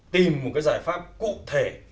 tìm một cái giải pháp cụ thể